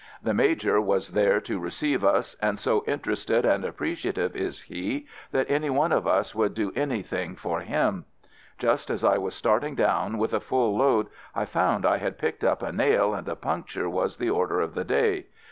The Major was there to receive us, and so interested and appreciative is he that any one of us would do anything for him. Just as I was start ing down with a full load I found I had picked up a nail and a puncture was the or der of the day.